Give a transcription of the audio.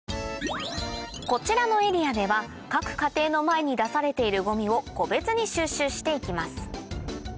こちらのエリアでは各家庭の前に出されているごみを個別に収集していきます